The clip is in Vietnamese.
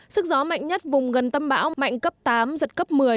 sức gió mạnh nhất vùng gần tâm bão mạnh cấp tám giật cấp một mươi